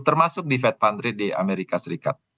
termasuk di fed fund rate di amerika serikat